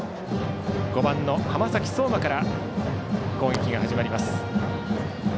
５番の浜崎綜馬から攻撃が始まります。